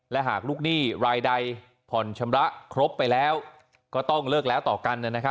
และหากลูกหนี้รายใดผ่อนชำระครบไปแล้วก็ต้องเลิกแล้วต่อกัน